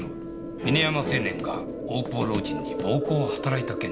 峰山青年が大久保老人に暴行を働いた件です。